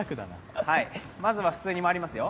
まずは普通に回りますよ。